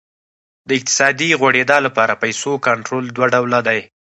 د اقتصادي غوړېدا لپاره پیسو کنټرول دوه ډوله دی.